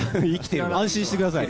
安心してください。